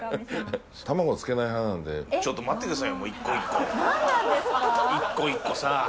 １個１個さ。